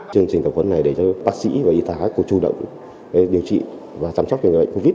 chương trình tập huấn này để cho bác sĩ và y tá có chủ động để điều trị và chăm sóc